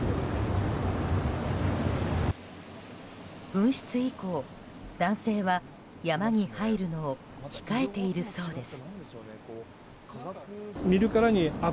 噴出以降、男性は山に入るのを控えているそうです。